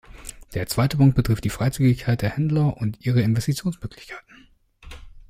Der zweite Punkt betrifft die Freizügigkeit der Händler und ihre Investitionsmöglichkeiten.